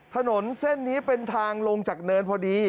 ถนนเส้นนี้เป็นทางลงจากเนินพอดี